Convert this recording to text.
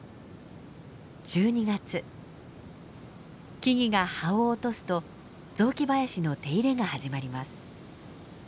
木々が葉を落とすと雑木林の手入れが始まります。